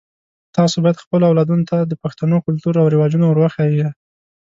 تاسو باید خپلو اولادونو ته د پښتنو کلتور او رواجونه ور وښایئ